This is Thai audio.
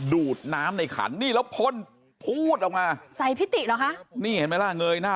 ดูดน้ำในขันนี่แล้วพ่นพูดออกมาใส่พิติเหรอคะนี่เห็นไหมล่ะเงยหน้า